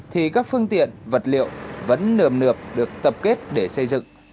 thì các phương tiện vật liệu vẫn nườm nượp được tập kết để xây dựng